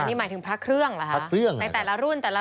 นี่หมายถึงพระเครื่องเหรอคะในแต่ละรุ่นแต่ละ